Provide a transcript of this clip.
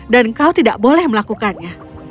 dan kau tidak boleh melakukannya